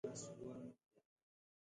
د اسلام د سپیڅلي دین اصولو اطاعت.